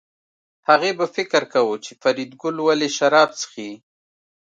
هغې به فکر کاوه چې فریدګل ولې شراب څښي